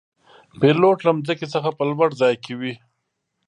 پیلوټ له ځمکې څخه په لوړ ځای کې وي.